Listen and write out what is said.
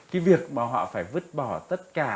cái việc mà họ phải vứt bỏ tất cả